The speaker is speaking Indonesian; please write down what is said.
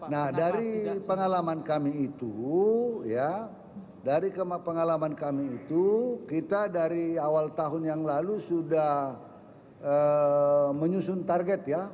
nah dari pengalaman kami itu kita dari awal tahun yang lalu sudah menyusun target ya